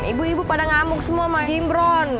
ibu ibu pada ngamuk semua sama haji imron